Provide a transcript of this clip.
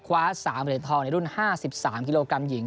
คว้า๓เหรียญทองในรุ่น๕๓กิโลกรัมหญิง